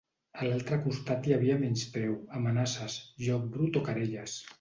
A l’altre costat hi havia menyspreu, amenaces, joc brut o querelles.